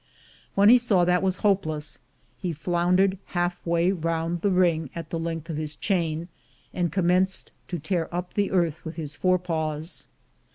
When he saw that was hopeless, he floundered half way round the ring at the length of his chain, and commenced to tear up the earth with his fore paws.